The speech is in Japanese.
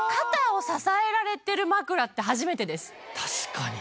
確かに。